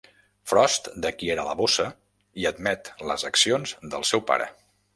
Frost, de qui era la bossa, i admet les accions del seu pare.